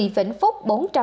vĩnh phúc bốn trăm năm mươi tám